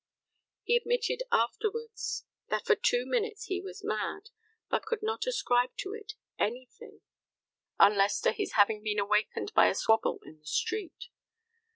He admitted afterwards that for two minutes he was mad, but he could not ascribe it to anything unless to his having been awakened by a squabble in the street.